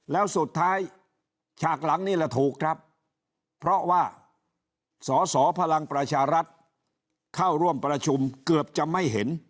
แล้วสุดท้ายฉากหลังนี่แหละถูกครับเพราะว่าสอสอพลังประชารัฐเข้าร่วมประชุมเกือบจะไม่เห็น